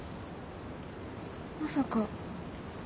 まさか。